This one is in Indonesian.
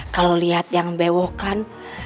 kalau lihat yang bewok kan